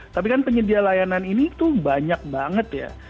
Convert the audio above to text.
tapi kan penyedia layanan ini tuh banyak banget ya